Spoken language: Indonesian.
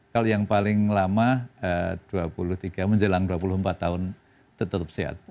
kalau yang paling lama dua puluh tiga menjelang dua puluh empat tahun tetap sehat